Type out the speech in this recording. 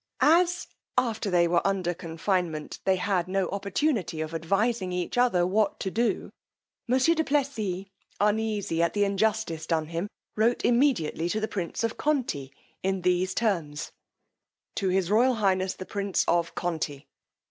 As, after they were under confinement, they had no opportunity of advising each other what to do, monsieur du Plessis, uneasy at the injustice done him, wrote immediately to the prince of Conti, in these terms: To his Royal Highness the Prince of CONTI.